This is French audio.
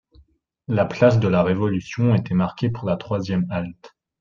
La place de la Révolution était marquée pour la troisième halte.